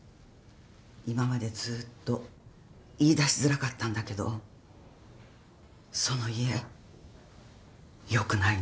今までずっと言いだしづらかったんだけどその家良くないの。